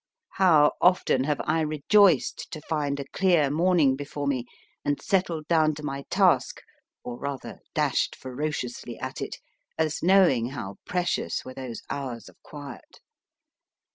How often have I rejoiced to find a clear morning before me, and settled down to my task, or rather, dashed ferociously at it, as knowing how precious were those hours of quiet